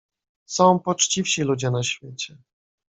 "Są poczciwsi ludzie na świecie."